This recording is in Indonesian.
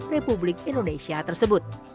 republik indonesia tersebut